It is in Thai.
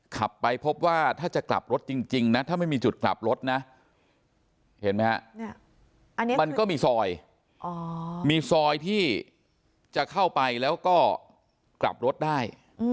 ขับไปพบว่าถ้าจะกลับรถจริงนะถ้าไม่มีจุดกลับรถนะเห็นไหมฮะอันนี้มันก็มีซอยมีซอยที่จะเข้าไปแล้วก็กลับรถได้